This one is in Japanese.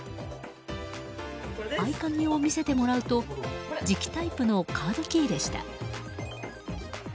合鍵を見せてもらうと磁気タイプのカードキーでした。